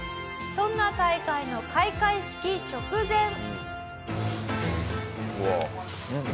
そんな大会の開会式直前。